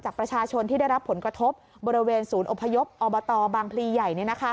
ประชาชนที่ได้รับผลกระทบบริเวณศูนย์อพยพอบตบางพลีใหญ่